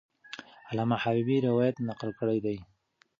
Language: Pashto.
علامه حبیبي روایت نقل کړی دی.